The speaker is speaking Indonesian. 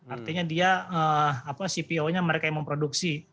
artinya dia cpo nya mereka yang memproduksi